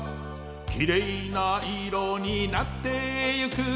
「きれいな色になってゆく」